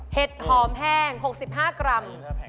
เห็ดหอมแห้ง๖๕กรัม